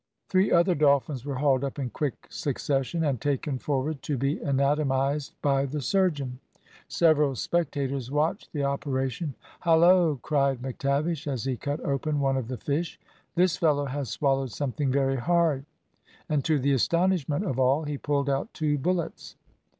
Three other dolphins were hauled up in quick succession, and taken forward to be anatomised by the surgeon. Several spectators watched the operation. "Hallo!" cried McTavish, as he cut open one of the fish. "This fellow has swallowed something very hard;" and to the astonishment of all, he pulled out two bullets.